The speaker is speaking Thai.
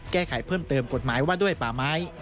แก้ไขเพิ่มเติมกฎหมายว่าด้วยป่าไม้